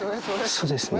そうですね。